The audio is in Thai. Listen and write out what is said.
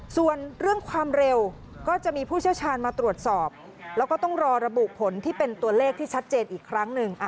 ส่วนเรื่องความเร็วก็จะมีผู้เชี่ยวชาญมาตรวจสอบแล้วก็ต้องรอระบุผลที่เป็นตัวเลขที่ชัดเจนอีกครั้งหนึ่ง